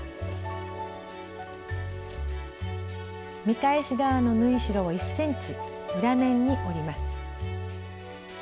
見返し側の縫い代を１ｃｍ裏面に折ります。